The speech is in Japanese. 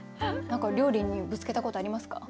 何か料理にぶつけたことありますか？